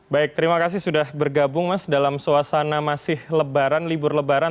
baik terima kasih sudah bergabung mas dalam suasana masih lebaran libur lebaran